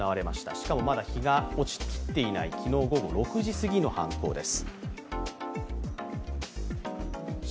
しかも、まだ日が落ちきっていない昨日午後６時過ぎの犯行です。